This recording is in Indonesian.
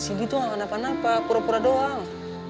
nggak mau anak anak apa pura pura doang